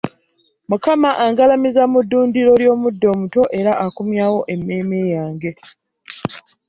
Mukama angalamiza mu ddundiro ely'omuddo omuto era akomyawo emmeeme yange.